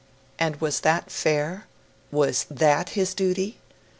And was that fair? Was THAT his duty?